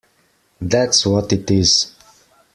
That’s what it is!